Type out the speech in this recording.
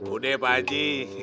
udah pak aji